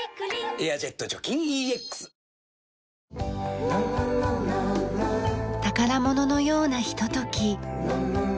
「エアジェット除菌ＥＸ」宝物のようなひととき。